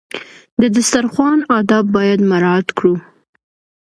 د دسترخوان آداب باید مراعات کړو.